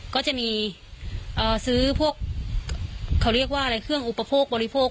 ก็จะมีซื้อพวกเขาเรียกว่าอะไรเครื่องอุปโภคบริโภค